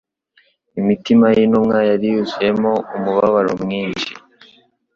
Imitima y'intumwa yari yuzuyemo umubabaro mwinshi